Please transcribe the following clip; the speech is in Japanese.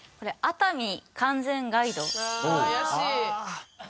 熱海完全ガイドわあ